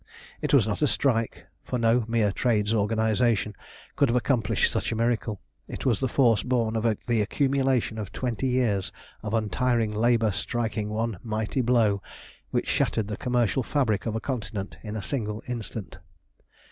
It was not a strike, for no mere trade organisation could have accomplished such a miracle. It was the force born of the accumulation of twenty years of untiring labour striking one mighty blow which shattered the commercial fabric of a continent in a single instant.